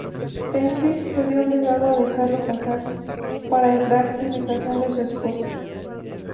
Tenzin se vio obligado a dejarlo pasar, para gran irritación de su esposa.